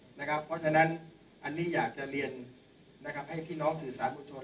เพราะฉะนั้นอันนี้อยากจะเรียนให้พี่น้องสื่อสารบุชน